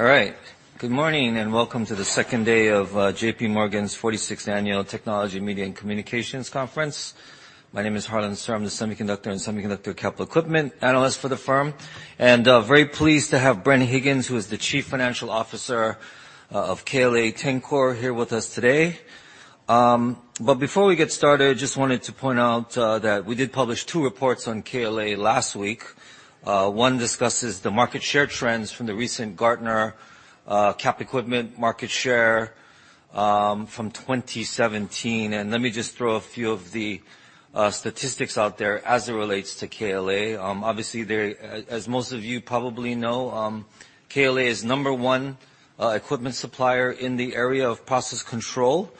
All right. Good morning. Welcome to the second day of J.P. Morgan's 46th Annual Technology Media and Communications Conference. My name is Harlan Sur. I'm the Semiconductor and Semiconductor Capital Equipment analyst for the firm, and very pleased to have Bren Higgins, who is the Chief Financial Officer of KLA-Tencor, here with us today. Before we get started, just wanted to point out that we did publish two reports on KLA last week. One discusses the market share trends from the recent Gartner Cap Equipment market share from 2017. Let me just throw a few of the statistics out there as it relates to KLA. Obviously, as most of you probably know, KLA is number one equipment supplier in the area of process control.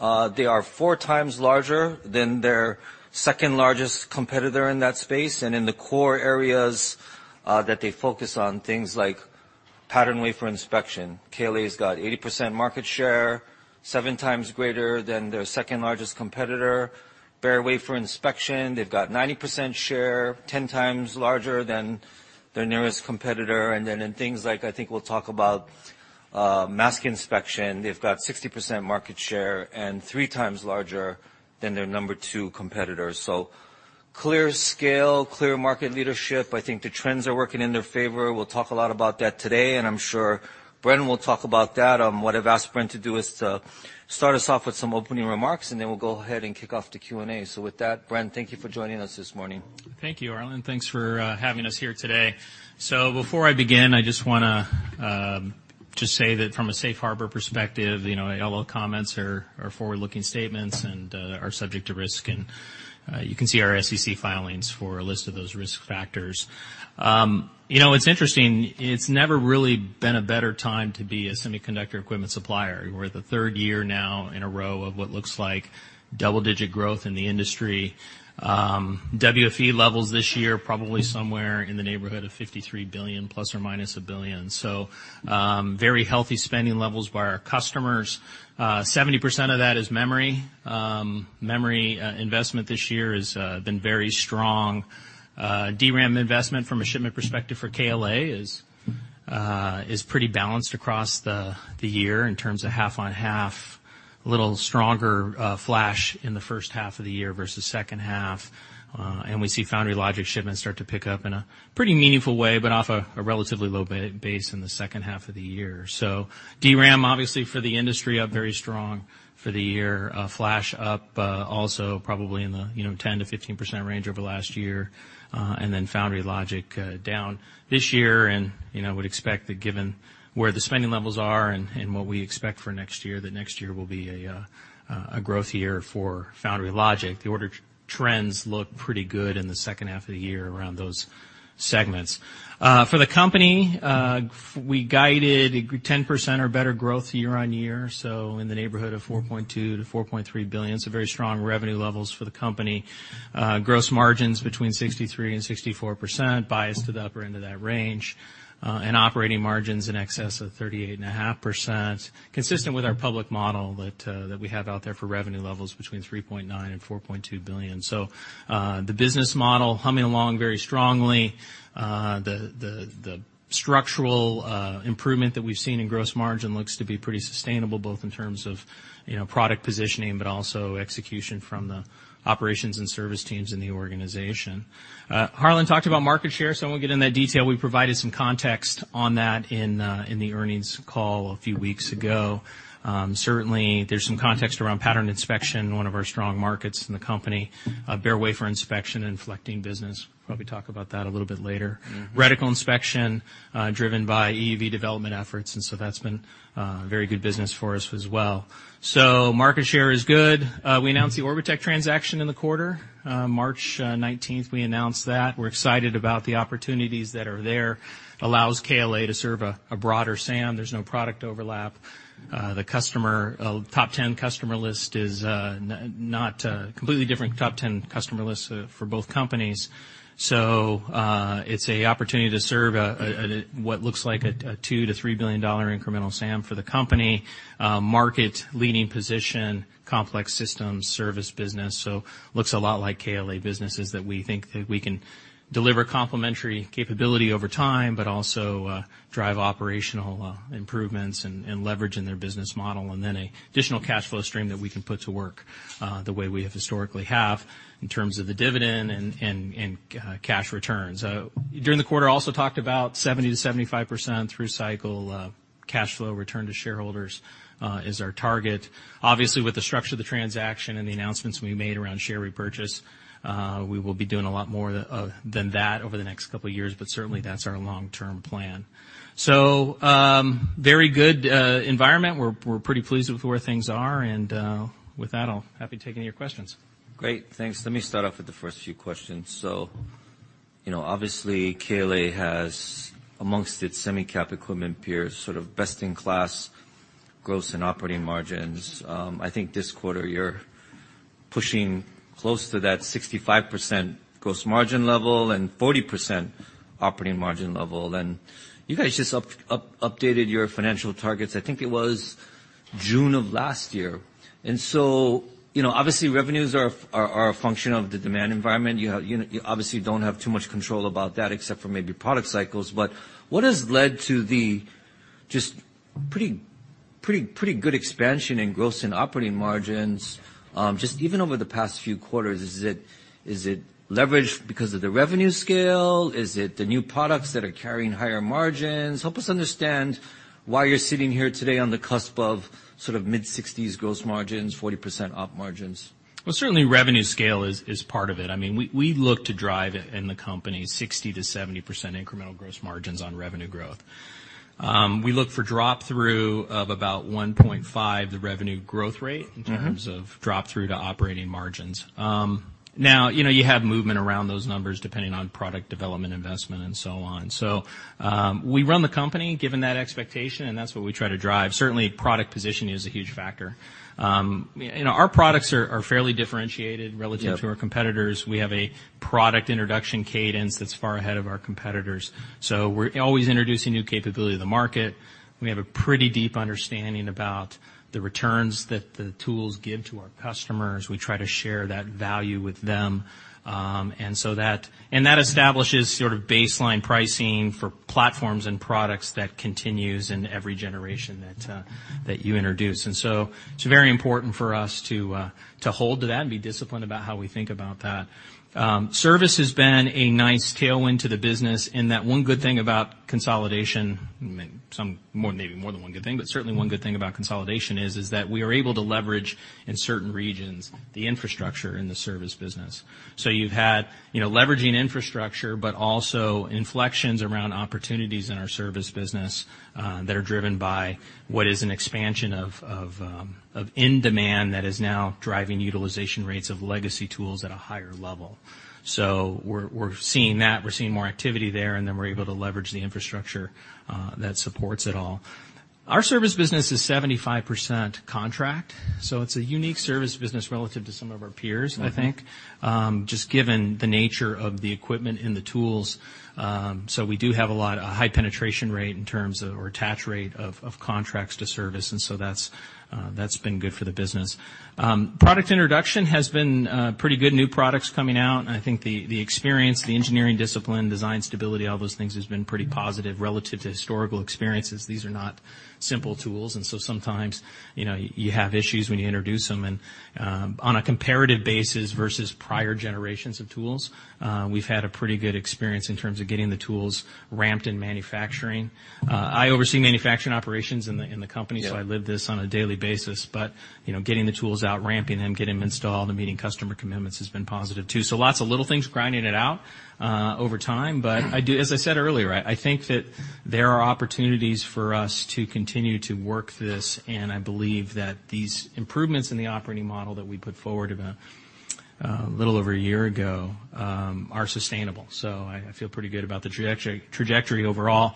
They are 4x larger than their second-largest competitor in that space and in the core areas that they focus on, things like patterned wafer inspection. KLA's got 80% market share, 7x greater than their second-largest competitor. Bare wafer inspection, they've got 90% share, 10x larger than their nearest competitor. Then in things like, I think we'll talk about mask inspection, they've got 60% market share and 3x larger than their number two competitor. Clear scale, clear market leadership. I think the trends are working in their favor. We'll talk a lot about that today, and I'm sure Bren will talk about that. What I've asked Bren to do is to start us off with some opening remarks, then we'll go ahead and kick off the Q&A. With that, Bren, thank you for joining us this morning. Thank you, Harlan. Thanks for having us here today. Before I begin, I just want to say that from a safe harbor perspective, all comments are forward-looking statements and are subject to risk, and you can see our SEC filings for a list of those risk factors. It's interesting. It's never really been a better time to be a semiconductor equipment supplier. We're at the third year now in a row of what looks like double-digit growth in the industry. WFE levels this year, probably somewhere in the neighborhood of $53 billion, plus or minus $1 billion. Very healthy spending levels by our customers. 70% of that is memory. Memory investment this year has been very strong. DRAM investment from a shipment perspective for KLA is pretty balanced across the year in terms of half on half, a little stronger flash in the first half of the year versus second half. We see foundry logic shipments start to pick up in a pretty meaningful way, off a relatively low base in the second half of the year. DRAM, obviously, for the industry, up very strong for the year. Flash up, also probably in the 10%-15% range over last year, then foundry logic down this year, would expect that given where the spending levels are and what we expect for next year, that next year will be a growth year for foundry logic. The order trends look pretty good in the second half of the year around those segments. For the company, we guided 10% or better growth year-over-year, so in the neighborhood of $4.2 billion-$4.3 billion. Very strong revenue levels for the company. Gross margins between 63% and 64%, biased to the upper end of that range. Operating margins in excess of 38.5%, consistent with our public model that we have out there for revenue levels between $3.9 billion and $4.2 billion. The business model humming along very strongly. The structural improvement that we've seen in gross margin looks to be pretty sustainable, both in terms of product positioning, but also execution from the operations and service teams in the organization. Harlan talked about market share, so I won't get into that detail. We provided some context on that in the earnings call a few weeks ago. Certainly, there's some context around pattern inspection, one of our strong markets in the company. Bare wafer inspection, an inflecting business, we'll probably talk about that a little bit later. Reticle inspection, driven by EUV development efforts, that's been very good business for us as well. Market share is good. We announced the Orbotech transaction in the quarter. March 19th, we announced that. We're excited about the opportunities that are there. Allows KLA to serve a broader SAM. There's no product overlap. The top 10 customer list is completely different top 10 customer lists for both companies. It's an opportunity to serve what looks like a $2 billion-$3 billion incremental SAM for the company. Market-leading position, complex systems, service business, so looks a lot like KLA businesses that we think that we can deliver complementary capability over time, but also drive operational improvements and leverage in their business model, and then an additional cash flow stream that we can put to work the way we have historically in terms of the dividend and cash returns. During the quarter, I also talked about 70%-75% through cycle cash flow return to shareholders is our target. Obviously, with the structure of the transaction and the announcements we made around share repurchase, we will be doing a lot more than that over the next 2 years, but certainly, that's our long-term plan. Very good environment. We're pretty pleased with where things are. With that, I'm happy to take any of your questions. Great. Thanks. Let me start off with the first few questions. Obviously, KLA has, amongst its semi-cap equipment peers, sort of best-in-class gross and operating margins. I think this quarter you're pushing close to that 65% gross margin level and 40% operating margin level. You guys just updated your financial targets, I think it was June of last year. Obviously, revenues are a function of the demand environment. You obviously don't have too much control about that except for maybe product cycles. What has led to the Pretty good expansion in gross and operating margins. Just even over the past few quarters, is it leverage because of the revenue scale? Is it the new products that are carrying higher margins? Help us understand why you're sitting here today on the cusp of sort of mid-60s gross margins, 40% op margins. Well, certainly, revenue scale is part of it. We look to drive in the company 60%-70% incremental gross margins on revenue growth. We look for drop-through of about 1.5x the revenue growth rate- in terms of drop-through to operating margins. You have movement around those numbers depending on product development, investment, and so on. We run the company given that expectation, and that's what we try to drive. Certainly, product positioning is a huge factor. Our products are fairly differentiated relative- Yep to our competitors. We have a product introduction cadence that's far ahead of our competitors. We're always introducing new capability to the market. We have a pretty deep understanding about the returns that the tools give to our customers. We try to share that value with them. That establishes sort of baseline pricing for platforms and products that continues in every generation that you introduce. It's very important for us to hold to that and be disciplined about how we think about that. Service has been a nice tailwind to the business in that one good thing about consolidation, maybe more than one good thing, but certainly one good thing about consolidation is that we are able to leverage, in certain regions, the infrastructure in the service business. You've had leveraging infrastructure, but also inflections around opportunities in our service business that are driven by what is an expansion of in demand that is now driving utilization rates of legacy tools at a higher level. We're seeing that, we're seeing more activity there, and then we're able to leverage the infrastructure that supports it all. Our service business is 75% contract, it's a unique service business relative to some of our peers, I think. Just given the nature of the equipment and the tools. We do have a high penetration rate or attach rate of contracts to service, that's been good for the business. Product introduction has been pretty good. New products coming out, I think the experience, the engineering discipline, design stability, all those things has been pretty positive relative to historical experiences. These are not simple tools, sometimes you have issues when you introduce them. On a comparative basis versus prior generations of tools, we've had a pretty good experience in terms of getting the tools ramped in manufacturing. I oversee manufacturing operations in the company- Yep so I live this on a daily basis. Getting the tools out, ramping them, getting them installed, and meeting customer commitments has been positive, too. Lots of little things grinding it out over time. As I said earlier, I think that there are opportunities for us to continue to work this, I believe that these improvements in the operating model that we put forward about a little over a year ago are sustainable. I feel pretty good about the trajectory overall.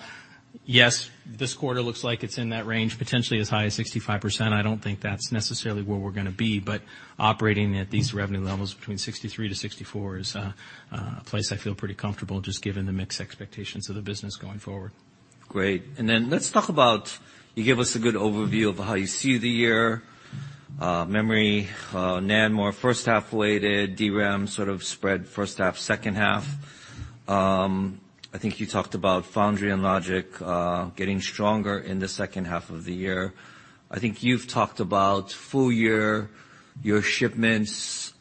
Yes, this quarter looks like it's in that range, potentially as high as 65%. I don't think that's necessarily where we're going to be, but operating at these revenue levels between 63%-64% is a place I feel pretty comfortable, just given the mix expectations of the business going forward. Great. Let's talk about, you gave us a good overview of how you see the year. Memory, NAND, more first half weighted, DRAM sort of spread first half, second half. I think you talked about foundry and logic getting stronger in the second half of the year. I think you've talked about full year, your shipments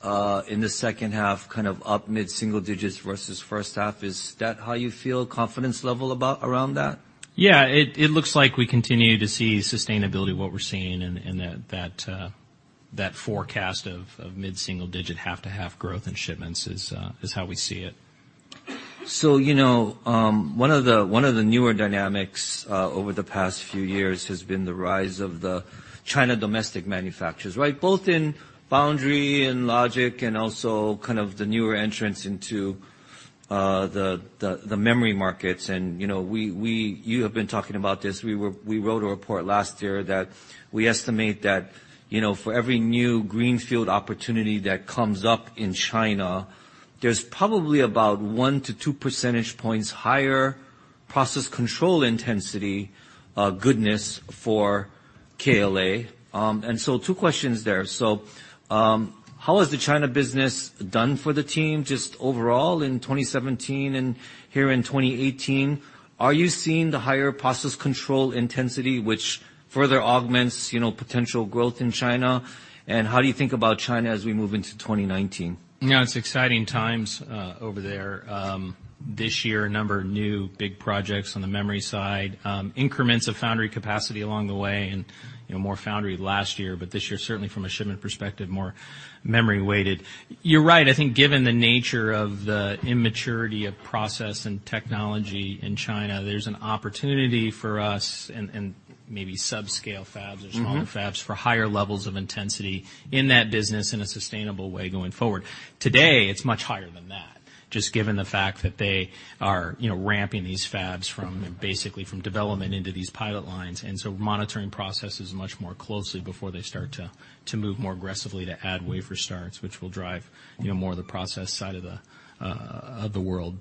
in the second half kind of up mid-single digits versus first half. Is that how you feel, confidence level around that? Yeah. It looks like we continue to see sustainability of what we're seeing, that forecast of mid-single digit, half-to-half growth in shipments is how we see it. One of the newer dynamics over the past few years has been the rise of the China domestic manufacturers, right? Both in foundry and logic, also kind of the newer entrants into the memory markets. You have been talking about this. We wrote a report last year that we estimate that for every new greenfield opportunity that comes up in China, there's probably about one to two percentage points higher process control intensity goodness for KLA. Two questions there. How has the China business done for the team just overall in 2017 and here in 2018? Are you seeing the higher process control intensity, which further augments potential growth in China? How do you think about China as we move into 2019? Yeah, it's exciting times over there. This year, a number of new big projects on the memory side. Increments of foundry capacity along the way, more foundry last year, this year, certainly from a shipment perspective, more memory weighted. You're right. I think given the nature of the immaturity of process and technology in China, there's an opportunity for us in maybe sub-scale fabs or smaller- fabs for higher levels of intensity in that business in a sustainable way going forward. Today, it's much higher than that, just given the fact that they are ramping these fabs from basically from development into these pilot lines, monitoring processes much more closely before they start to move more aggressively to add wafer starts, which will drive more of the process side of the world.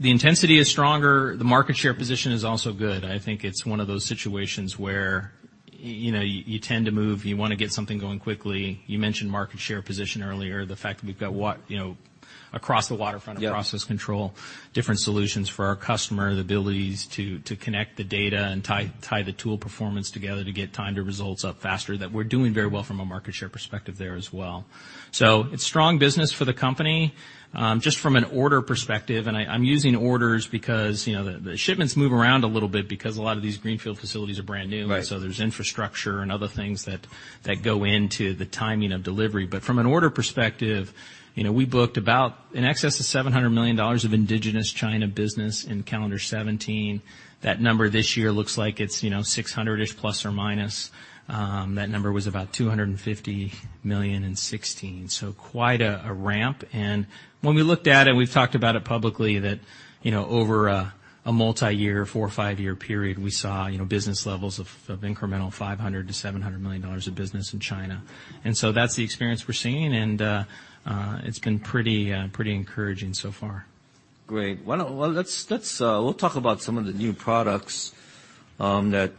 The intensity is stronger. The market share position is also good. I think it's one of those situations where. You tend to move. You want to get something going quickly. You mentioned market share position earlier, the fact that we've got across the waterfront. Yep process control, different solutions for our customer, the abilities to connect the data and tie the tool performance together to get time to results up faster, that we're doing very well from a market share perspective there as well. It's strong business for the company. Just from an order perspective, and I'm using orders because the shipments move around a little bit because a lot of these greenfield facilities are brand new. Right. There's infrastructure and other things that go into the timing of delivery. From an order perspective, we booked about in excess of $700 million of indigenous China business in calendar 2017. That number this year looks like it's 600-ish, plus or minus. That number was about $250 million in 2016, quite a ramp. When we looked at it, we've talked about it publicly, that over a multi-year, four or five-year period, we saw business levels of incremental $500 million to $700 million of business in China. That's the experience we're seeing, and it's been pretty encouraging so far. Great. We'll talk about some of the new products that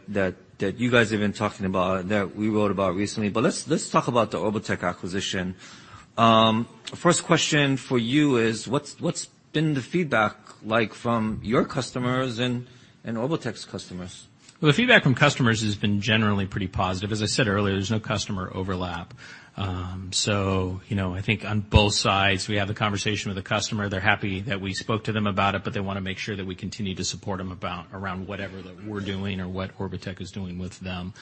you guys have been talking about, that we wrote about recently, but let's talk about the Orbotech acquisition. First question for you is, what's been the feedback like from your customers and Orbotech's customers? Well, the feedback from customers has been generally pretty positive. As I said earlier, there's no customer overlap. I think on both sides, we have a conversation with a customer. They're happy that we spoke to them about it, but they want to make sure that we continue to support them around whatever that we're doing or what Orbotech is doing with them.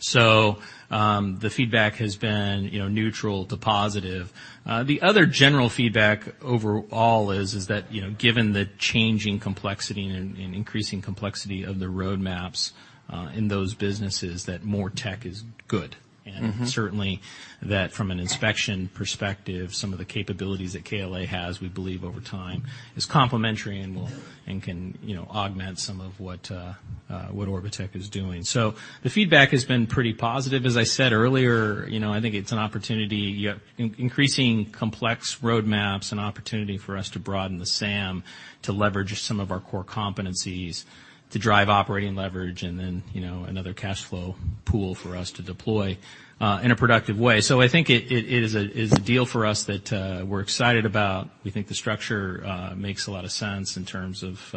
The feedback has been neutral to positive. The other general feedback overall is that, given the changing complexity and increasing complexity of the roadmaps in those businesses, that more tech is good. Certainly that from an inspection perspective, some of the capabilities that KLA has, we believe over time is complementary and can augment some of what Orbotech is doing. The feedback has been pretty positive. As I said earlier, I think it's an opportunity, increasing complex roadmaps, an opportunity for us to broaden the SAM, to leverage some of our core competencies to drive operating leverage and then another cash flow pool for us to deploy in a productive way. I think it is a deal for us that we're excited about. We think the structure makes a lot of sense in terms of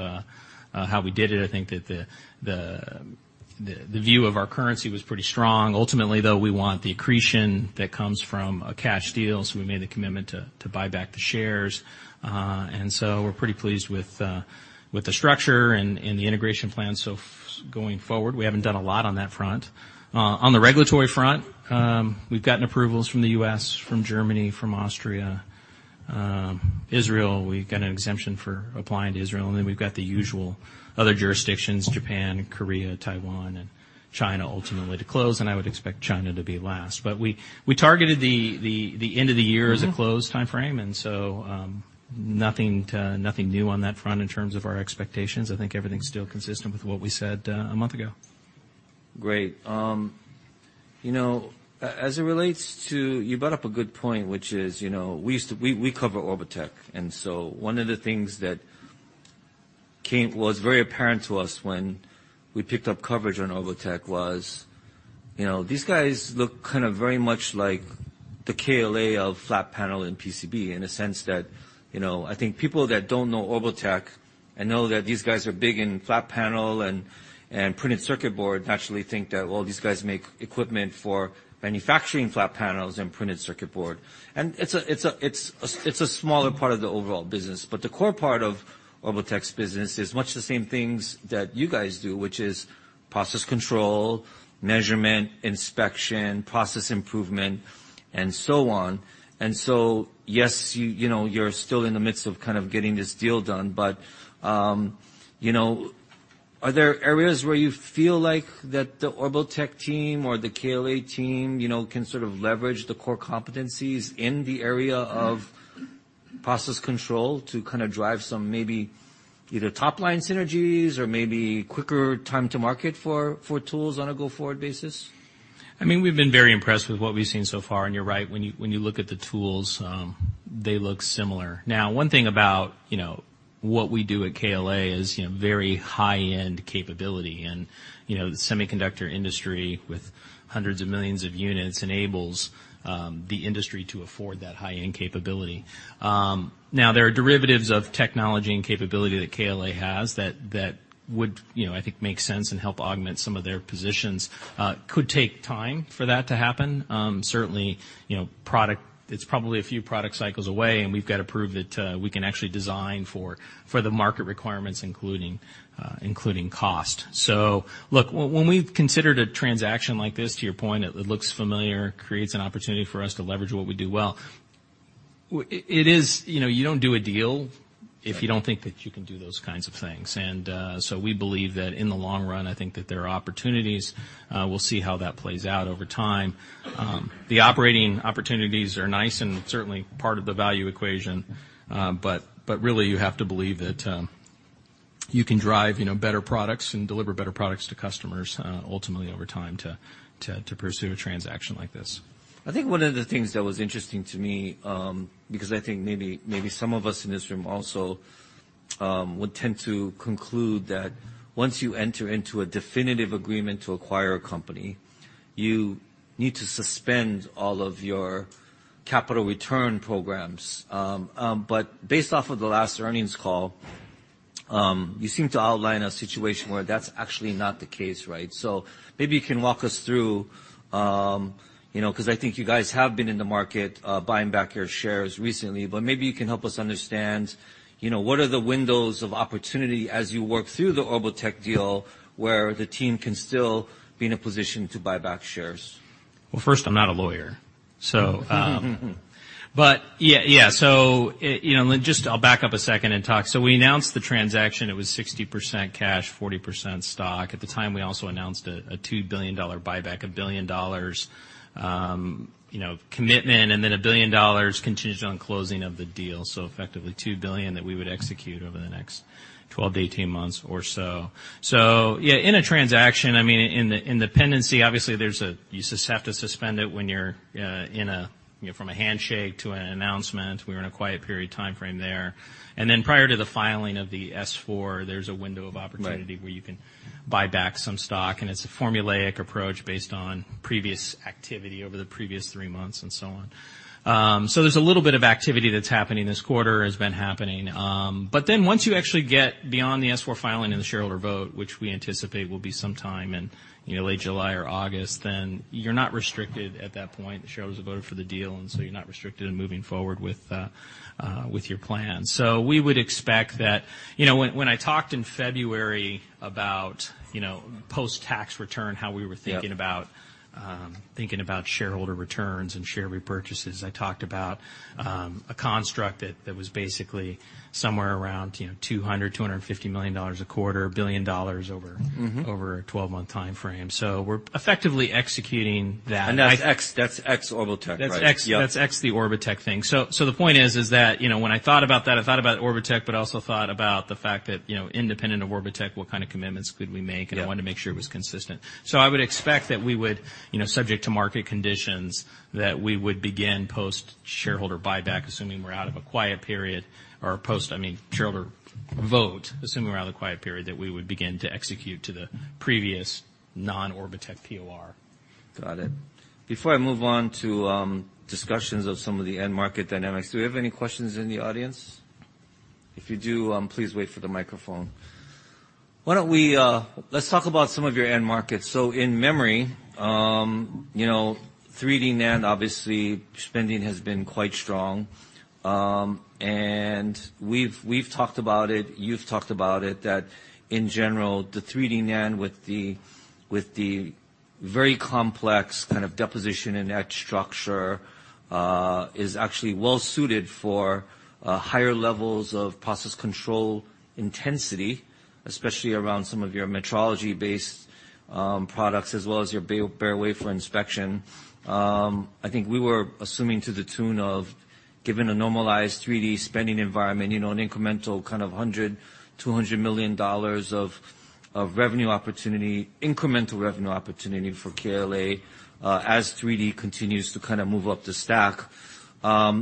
how we did it. I think that the view of our currency was pretty strong. Ultimately, though, we want the accretion that comes from a cash deal, so we made the commitment to buy back the shares. We're pretty pleased with the structure and the integration plan so far going forward. We haven't done a lot on that front. On the regulatory front, we've gotten approvals from the U.S., from Germany, from Austria. Israel, we've got an exemption for applying to Israel, and then we've got the usual other jurisdictions, Japan, Korea, Taiwan, and China ultimately to close, and I would expect China to be last. We targeted the end of the year- As a close timeframe, nothing new on that front in terms of our expectations. I think everything's still consistent with what we said a month ago. Great. You brought up a good point, which is, we cover Orbotech, one of the things that was very apparent to us when we picked up coverage on Orbotech was, these guys look kind of very much like the KLA of flat panel and PCB in a sense that, I think people that don't know Orbotech and know that these guys are big in flat panel and printed circuit board actually think that, well, these guys make equipment for manufacturing flat panels and printed circuit board. It's a smaller part of the overall business, but the core part of Orbotech's business is much the same things that you guys do, which is process control, measurement, inspection, process improvement, and so on. Yes, you're still in the midst of getting this deal done, but are there areas where you feel like the Orbotech team or the KLA team can sort of leverage the core competencies in the area of process control to drive some either top-line synergies or quicker time to market for tools on a go-forward basis? I mean, we've been very impressed with what we've seen so far, and you're right. When you look at the tools, they look similar. One thing about what we do at KLA is very high-end capability, and the semiconductor industry, with hundreds of millions of units, enables the industry to afford that high-end capability. There are derivatives of technology and capability that KLA has that would, I think, make sense and help augment some of their positions. Could take time for that to happen. Certainly, it's probably a few product cycles away, and we've got to prove that we can actually design for the market requirements, including cost. Look, when we've considered a transaction like this, to your point, it looks familiar, creates an opportunity for us to leverage what we do well. You don't do a deal if you don't think that you can do those kinds of things. We believe that in the long run, I think that there are opportunities. We'll see how that plays out over time. The operating opportunities are nice and certainly part of the value equation, really, you have to believe that you can drive better products and deliver better products to customers ultimately over time to pursue a transaction like this. I think one of the things that was interesting to me, because I think maybe some of us in this room also would tend to conclude that once you enter into a definitive agreement to acquire a company, you need to suspend all of your capital return programs. Based off of the last earnings call, you seem to outline a situation where that's actually not the case, right? Maybe you can walk us through, because I think you guys have been in the market, buying back your shares recently, but maybe you can help us understand, what are the windows of opportunity as you work through the Orbotech deal where the team can still be in a position to buy back shares? Well, first, I'm not a lawyer. Yeah. I'll back up a second and talk. We announced the transaction, it was 60% cash, 40% stock. At the time, we also announced a $2 billion buyback, a $1 billion commitment, and then a $1 billion contingent on closing of the deal. Effectively, $2 billion that we would execute over the next 12 to 18 months or so. Yeah, in a transaction, in the pendency, obviously, you just have to suspend it when you're from a handshake to an announcement. We were in a quiet period timeframe there. Prior to the filing of the S-4, there's a window of opportunity- Right where you can buy back some stock, it's a formulaic approach based on previous activity over the previous three months and so on. There's a little bit of activity that's happening this quarter, has been happening. Once you actually get beyond the S-4 filing and the shareholder vote, which we anticipate will be sometime in late July or August, you're not restricted at that point. The shareholders have voted for the deal, you're not restricted in moving forward with your plan. We would expect that When I talked in February about post-tax return, how we were thinking- Yep about shareholder returns and share repurchases, I talked about a construct that was basically somewhere around $200 million, $250 million a quarter, a $1 billion over- a 12-month timeframe. We're effectively executing that- That's ex Orbotech, right? That's ex Yep The Orbotech thing. The point is that when I thought about that, I thought about Orbotech, but I also thought about the fact that independent of Orbotech, what kind of commitments could we make? Yeah. I wanted to make sure it was consistent. I would expect that we would, subject to market conditions, that we would begin post-shareholder buyback, assuming we're out of a quiet period, or post shareholder vote, assuming we're out of the quiet period, that we would begin to execute to the previous non-Orbotech POR. Got it. Before I move on to discussions of some of the end market dynamics, do we have any questions in the audience? If you do, please wait for the microphone. Let's talk about some of your end markets. In memory, 3D NAND obviously, spending has been quite strong. We've talked about it, you've talked about it, that in general, the 3D NAND with the very complex kind of deposition and etch structure, is actually well-suited for higher levels of process control intensity, especially around some of your metrology-based products as well as your unpatterned wafer inspection. I think we were assuming to the tune of given a normalized 3D spending environment, an incremental kind of $100 million, $200 million of incremental revenue opportunity for KLA, as 3D continues to kind of move up the stack. I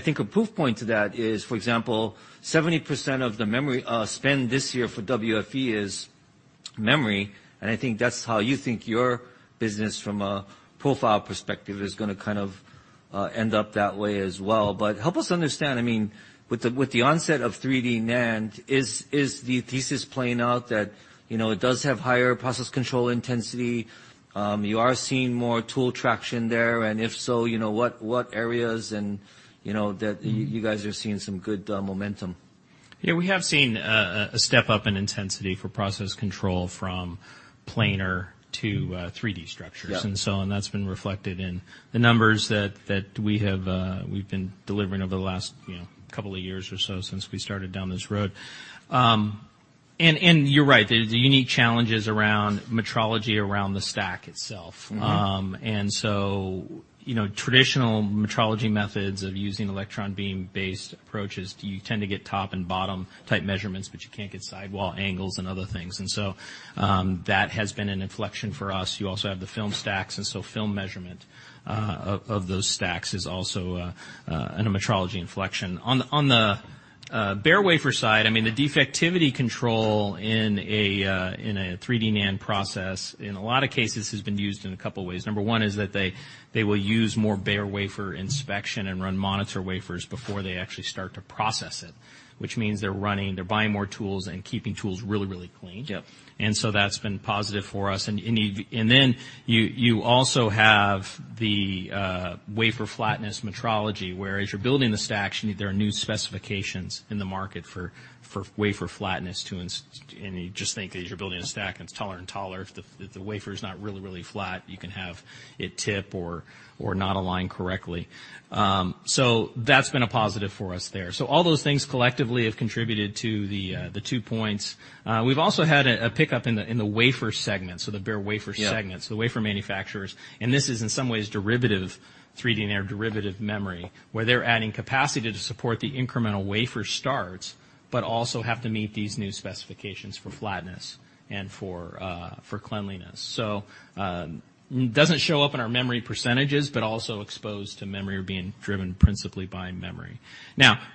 think a proof point to that is, for example, 70% of the memory spend this year for WFE is memory, and I think that's how you think your business from a profile perspective is going to kind of end up that way as well. Help us understand, with the onset of 3D NAND, is the thesis playing out that it does have higher process control intensity? You are seeing more tool traction there, and if so, what areas and that you guys are seeing some good momentum? We have seen a step up in intensity for process control from planar to 3D structures. Yep. That's been reflected in the numbers that we've been delivering over the last couple of years or so since we started down this road. You're right, there's unique challenges around metrology around the stack itself. Traditional metrology methods of using E-beam based approaches, you tend to get top and bottom type measurements, but you can't get sidewall angles and other things. That has been an inflection for us. You also have the film stacks. Film measurement of those stacks is also in a metrology inflection. On the bare wafer side, the defectivity control in a 3D NAND process, in a lot of cases has been used in a couple ways. Number 1 is that they will use more unpatterned wafer inspection and run monitor wafers before they actually start to process it, which means they're buying more tools and keeping tools really, really clean. Yep. That's been positive for us. You also have the wafer flatness metrology, where as you're building the stacks, there are new specifications in the market for wafer flatness. Just think, as you're building a stack and it's taller and taller, if the wafer's not really, really flat, you can have it tip or not align correctly. That's been a positive for us there. All those things collectively have contributed to the 2 points. We've also had a pickup in the wafer segment, the bare wafer segment. Yeah. The wafer manufacturers, and this is in some ways derivative 3D NAND or derivative memory, where they're adding capacity to support the incremental wafer starts, also have to meet these new specifications for flatness and for cleanliness. It doesn't show up in our memory percentages, also exposed to memory or being driven principally by memory.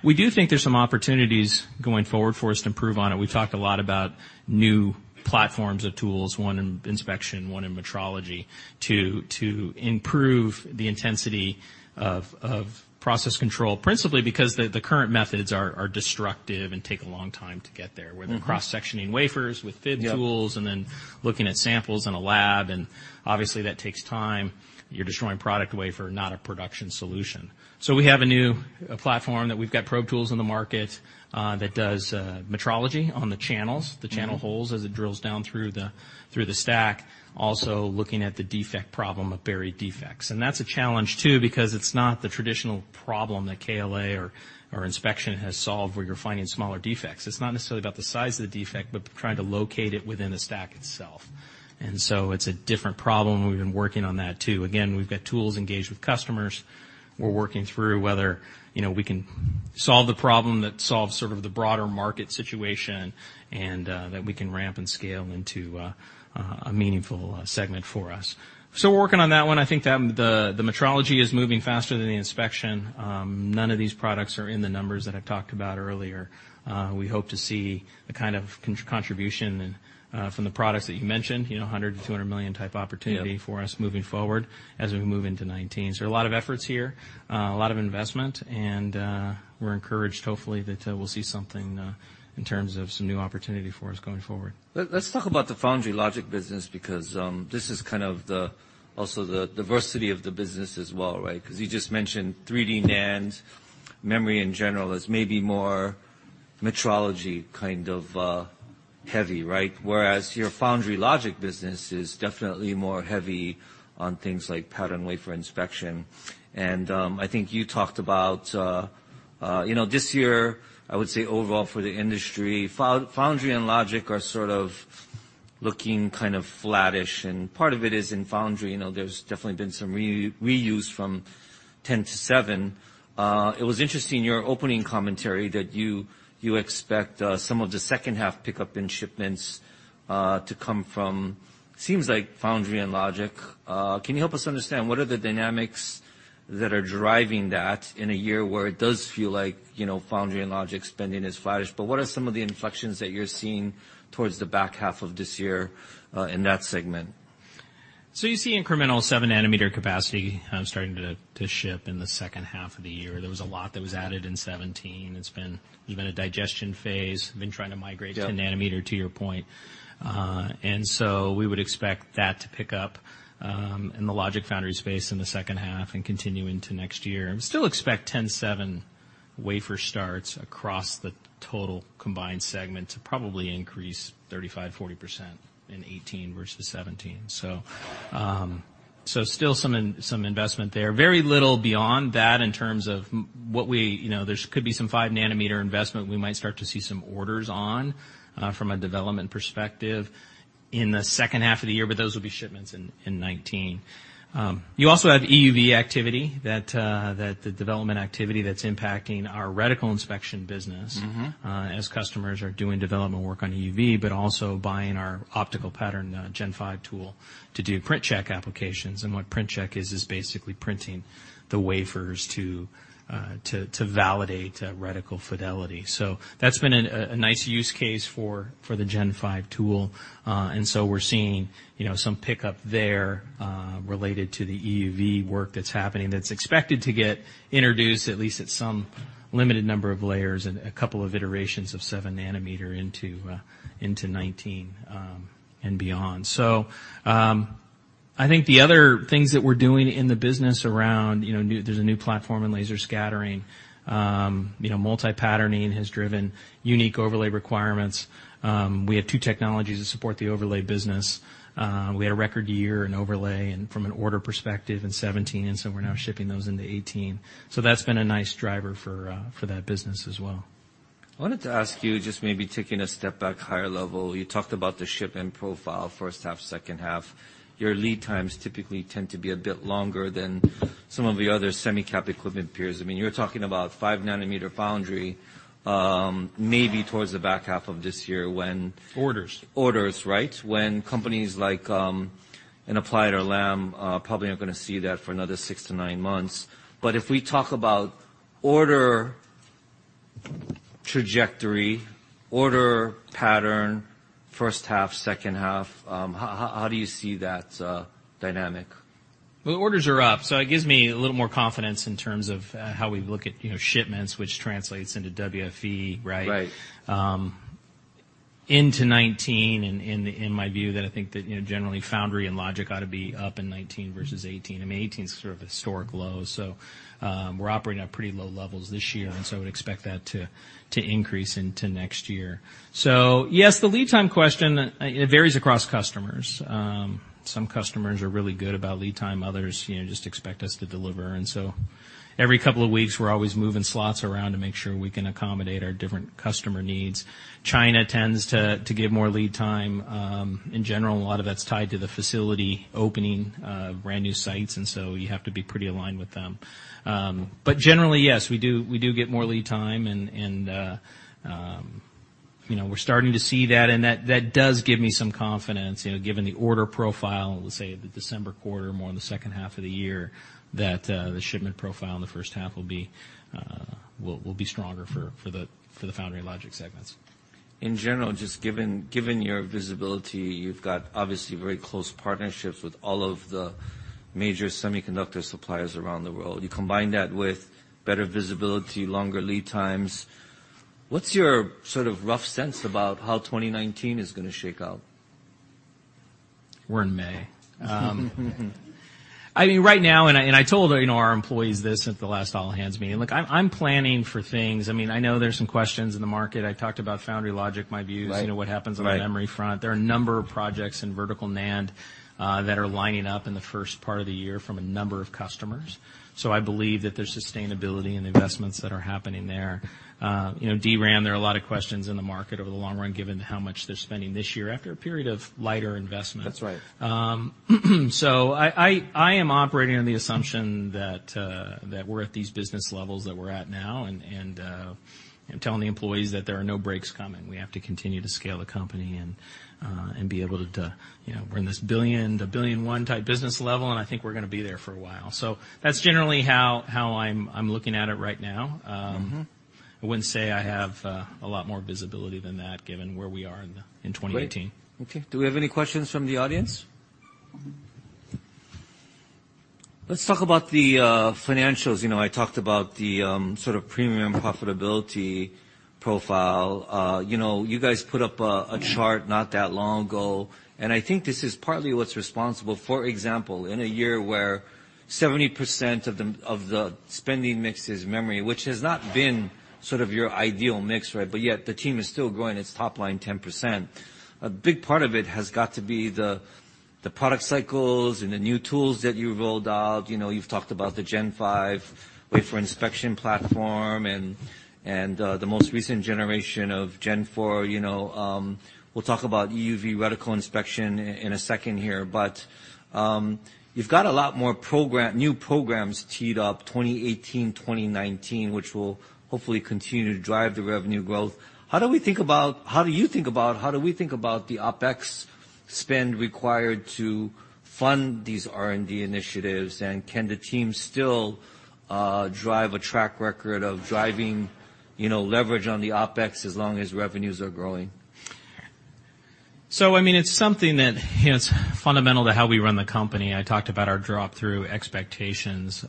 We do think there's some opportunities going forward for us to improve on it. We've talked a lot about new platforms of tools, 1 in inspection, 1 in metrology to improve the intensity of process control, principally because the current methods are destructive and take a long time to get there, where they're cross-sectioning wafers with FIB tools Yep Looking at samples in a lab, obviously, that takes time. You're destroying product wafer, not a production solution. We have a new platform that we've got probe tools in the market, that does metrology on the channels, the channel holes, as it drills down through the stack. Also looking at the defect problem of buried defects. That's a challenge too, because it's not the traditional problem that KLA or inspection has solved where you're finding smaller defects. It's not necessarily about the size of the defect, but trying to locate it within the stack itself. It's a different problem, and we've been working on that too. We've got tools engaged with customers. We're working through whether we can solve the problem that solves sort of the broader market situation and that we can ramp and scale into a meaningful segment for us. We're working on that one. I think the metrology is moving faster than the inspection. None of these products are in the numbers that I've talked about earlier. We hope to see the kind of contribution from the products that you mentioned, $100 million-$200 million type opportunity- Yep For us moving forward as we move into 2019. A lot of efforts here, a lot of investment, and we're encouraged, hopefully, that we'll see something in terms of some new opportunity for us going forward. Let's talk about the foundry logic business, because this is kind of also the diversity of the business as well, right? Because you just mentioned 3D NAND, memory in general as maybe more metrology kind of heavy, right? Whereas your foundry logic business is definitely more heavy on things like patterned wafer inspection. I think you talked about this year, I would say overall for the industry, foundry and logic are sort of looking kind of flattish. Part of it is in foundry, there's definitely been some reuse from 10 to 7. It was interesting, your opening commentary, that you expect some of the second half pickup in shipments to come from, seems like foundry and logic. Can you help us understand what are the dynamics that are driving that in a year where it does feel like foundry and logic spending is flattish, but what are some of the inflections that you're seeing towards the back half of this year in that segment? You see incremental seven nanometer capacity starting to ship in the second half of the year. There was a lot that was added in 2017. It's been even a digestion phase, been trying to migrate Yep to nanometer, to your point. We would expect that to pick up in the logic foundry space in the second half and continue into 2019. We still expect 10 seven wafer starts across the total combined segment to probably increase 35%-40% in 2018 versus 2017. Still some investment there. Very little beyond that in terms of. There could be some five nanometer investment we might start to see some orders on from a development perspective in the second half of the year, but those will be shipments in 2019. You also have EUV activity, the development activity that's impacting our reticle inspection business as customers are doing development work on EUV, but also buying our optical pattern Gen5 tool to do print check applications. What print check is basically printing the wafers to validate reticle fidelity. That's been a nice use case for the Gen5 tool. We're seeing some pickup there related to the EUV work that's happening, that's expected to get introduced at least at some limited number of layers and a couple of iterations of seven nanometer into 2019 and beyond. I think the other things that we're doing in the business around, there's a new platform in laser scattering. Multi-patterning has driven unique overlay requirements. We have two technologies that support the overlay business. We had a record year in overlay from an order perspective in 2017, we're now shipping those into 2018. That's been a nice driver for that business as well. I wanted to ask you, just maybe taking a step back, higher level, you talked about the shipment profile, first half, second half. Your lead times typically tend to be a bit longer than some of the other semi cap equipment peers. You're talking about five nanometer foundry, maybe towards the back half of this year. Orders Orders, right? When companies like an Applied or Lam probably are going to see that for another six to nine months. If we talk about order trajectory, order pattern, first half, second half, how do you see that dynamic? The orders are up, it gives me a little more confidence in terms of how we look at shipments, which translates into WFE, right? Right. Into 2019, in my view, that I think that generally foundry and logic ought to be up in 2019 versus 2018. 2018 is sort of historic lows, we're operating at pretty low levels this year, I would expect that to increase into next year. Yes, the lead time question, it varies across customers. Some customers are really good about lead time, others just expect us to deliver. Every couple of weeks, we're always moving slots around to make sure we can accommodate our different customer needs. China tends to give more lead time. In general, a lot of that's tied to the facility opening brand new sites, you have to be pretty aligned with them. Generally, yes, we do get more lead time, and we're starting to see that, and that does give me some confidence, given the order profile, let's say the December quarter, more in the second half of the year, that the shipment profile in the first half will be stronger for the foundry logic segments. In general, just given your visibility, you've got obviously very close partnerships with all of the major semiconductor suppliers around the world. You combine that with better visibility, longer lead times. What's your sort of rough sense about how 2019 is going to shake out? We're in May. I mean, right now, I told our employees this at the last all-hands meeting. Look, I'm planning for things. I know there's some questions in the market. I talked about foundry logic, my views. Right What happens on the memory front. There are a number of projects in Vertical NAND that are lining up in the first part of the year from a number of customers. I believe that there's sustainability and investments that are happening there. DRAM, there are a lot of questions in the market over the long run, given how much they're spending this year after a period of lighter investment. That's right. I am operating on the assumption that we're at these business levels that we're at now and telling the employees that there are no breaks coming. We have to continue to scale the company and be able to. We're in this $1 billion to $1 billion one type business level, and I think we're going to be there for a while. That's generally how I'm looking at it right now. I wouldn't say I have a lot more visibility than that, given where we are in 2018. Great. Okay. Do we have any questions from the audience? Let's talk about the financials. I talked about the sort of premium profitability profile. You guys put up a chart not that long ago, and I think this is partly what's responsible, for example, in a year where 70% of the spending mix is memory, which has not been sort of your ideal mix, right? Yet the team is still growing its top line 10%. A big part of it has got to be the product cycles and the new tools that you've rolled out. You've talked about the Gen5 wafer inspection platform and the most recent generation of Gen4. We'll talk about EUV reticle inspection in a second here. You've got a lot more new programs teed up, 2018, 2019, which will hopefully continue to drive the revenue growth. How do we think about the OpEx spend required to fund these R&D initiatives? Can the team still drive a track record of driving leverage on the OpEx as long as revenues are growing? It's something that is fundamental to how we run the company. I talked about our drop-through expectations.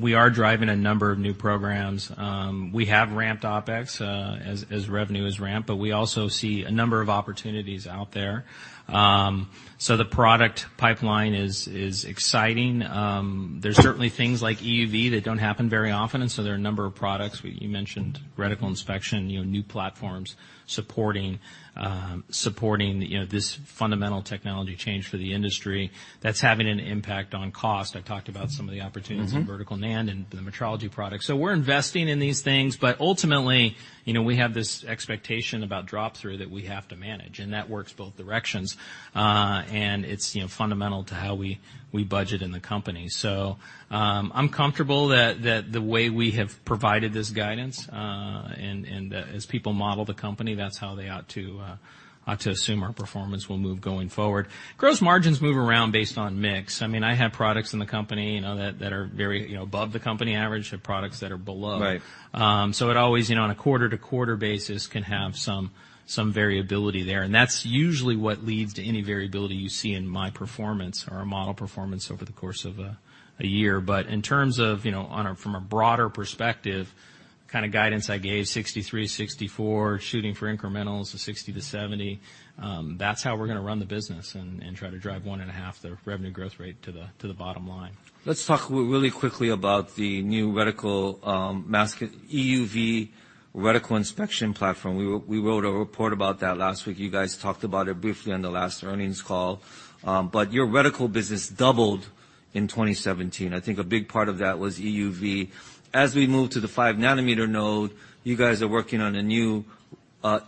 We are driving a number of new programs. We have ramped OpEx as revenue has ramped. We also see a number of opportunities out there. The product pipeline is exciting. There's certainly things like EUV that don't happen very often. There are a number of products. You mentioned reticle inspection, new platforms supporting this fundamental technology change for the industry that's having an impact on cost. I talked about some of the opportunities. In vertical NAND and the metrology products. We're investing in these things. Ultimately, we have this expectation about drop-through that we have to manage, and that works both directions. It's fundamental to how we budget in the company. I'm comfortable that the way we have provided this guidance, and as people model the company, that's how they ought to assume our performance will move going forward. Gross margins move around based on mix. I have products in the company that are very above the company average, have products that are below. Right. It always, on a quarter-to-quarter basis, can have some variability there. That's usually what leads to any variability you see in my performance or our model performance over the course of a year. In terms of from a broader perspective, kind of guidance I gave, 63%, 64%, shooting for incrementals of 60%-70%, that's how we're going to run the business and try to drive one and a half the revenue growth rate to the bottom line. Let's talk really quickly about the new EUV reticle inspection platform. We wrote a report about that last week. You guys talked about it briefly on the last earnings call. Your reticle business doubled in 2017. I think a big part of that was EUV. As we move to the five nanometer node, you guys are working on a new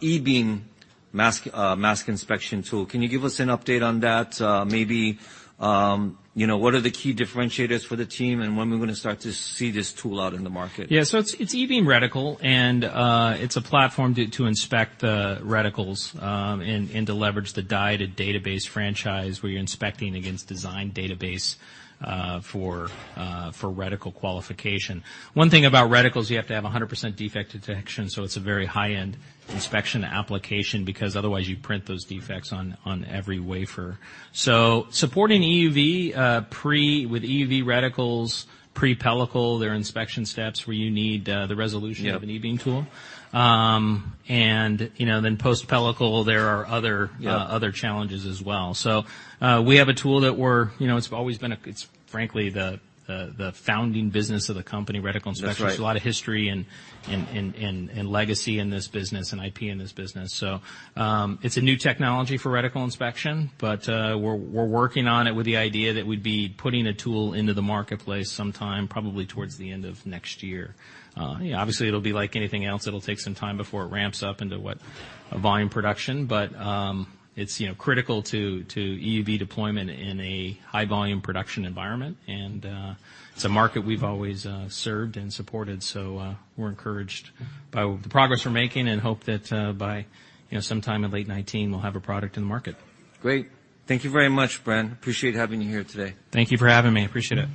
E-beam mask inspection tool. Can you give us an update on that? Maybe what are the key differentiators for the team, and when are we going to start to see this tool out in the market? Yeah. It's E-beam reticle, and it's a platform to inspect reticles and to leverage the die-to-database franchise where you're inspecting against design database for reticle qualification. One thing about reticles, you have to have 100% defect detection, it's a very high-end inspection application because otherwise you print those defects on every wafer. Supporting EUV pre with EUV reticles, pre-pellicle, there are inspection steps where you need the resolution- Yep of an E-beam tool. Post-pellicle, there are other- Yep challenges as well. We have a tool that it's frankly the founding business of the company, reticle inspection. That's right. There's a lot of history and legacy in this business, IP in this business. It's a new technology for reticle inspection, but we're working on it with the idea that we'd be putting a tool into the marketplace sometime probably towards the end of next year. Obviously, it'll be like anything else. It'll take some time before it ramps up into what a volume production, it's critical to EUV deployment in a high volume production environment. It's a market we've always served and supported, so we're encouraged by the progress we're making and hope that by sometime in late 2019, we'll have a product in the market. Great. Thank you very much, Bren. Appreciate having you here today. Thank you for having me. Appreciate it.